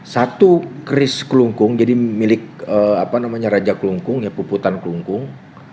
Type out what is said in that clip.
satu kris kelungkung jadi milik apa namanya raja kelungkung ya puputan kelungkung